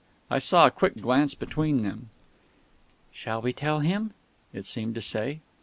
I saw a quick glance between them. "Shall we tell him?" it seemed to say....